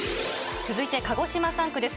続いて鹿児島３区です。